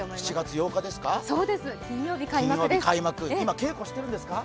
７月４日、金曜日開幕、今、稽古してるんですか？